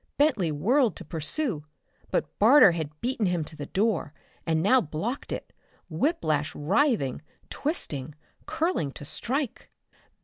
Bentley whirled to pursue, but Barter had beaten him to the door and now blocked it, whiplash writhing, twisting, curling to strike.